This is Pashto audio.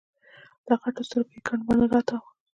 له غټو سترګو یي ګڼ باڼه راتاو وو